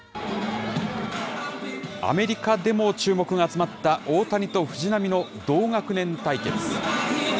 アメリカでも注目が集まった、大谷と藤浪の同学年対決。